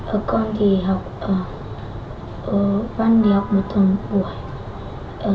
ở con thì học ở văn nguyễn